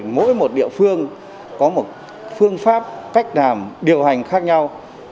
mỗi một địa phương có một phương pháp cách làm điều hành khác nhau